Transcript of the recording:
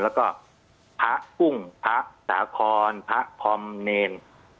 แล้วก็พระกุ้งพระสาคอนพระพรมเนร